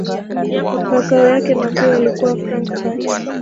Makao yake makuu yalikuwa Frankfurt.